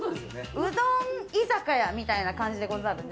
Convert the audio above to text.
うどん居酒屋みたいなことでござるね。